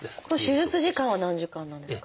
手術時間は何時間なんですか？